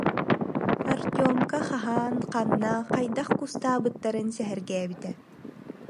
Артемка хаһан, ханна, хайдах кустаабыттарын сэһэргээбитэ